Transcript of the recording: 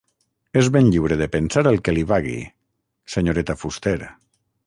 És ben lliure de pensar el que li vagui, senyoreta Fuster.